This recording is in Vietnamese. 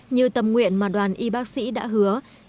như tầm nguyện mà đoàn y bác sĩ đã hướng dẫn